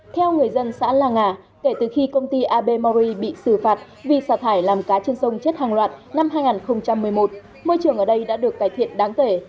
theo người dân xã la nga kể từ khi công ty ab mauri bị xử phạt vì xả thải làm cá trên sông chết hàng loạt năm hai nghìn một mươi một môi trường ở đây đã được cải thiện đáng kể